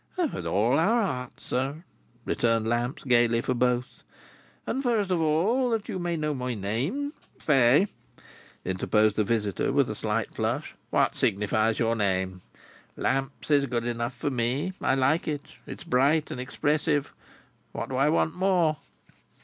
"With all our hearts, sir," returned Lamps, gaily, for both. "And first of all, that you may know my name—" "Stay!" interposed the visitor, with a slight flush. "What signifies your name! Lamps is name enough for me. I like it. It is bright and expressive. What do I want more!"